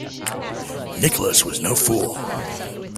Nicholas was no fool.